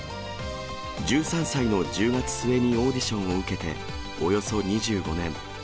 １３歳の１０月末にオーディションを受けて、およそ２５年。